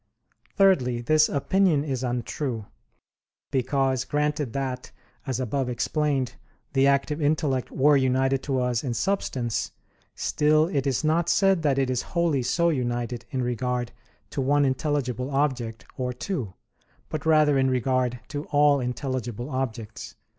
Thirdly, this opinion is untrue, because granted that, as above explained, the active intellect were united to us in substance, still it is not said that it is wholly so united in regard to one intelligible object, or two; but rather in regard to all intelligible objects.